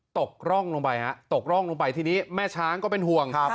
ตกร่องลงไปฮะตกร่องลงไปทีนี้แม่ช้างก็เป็นห่วง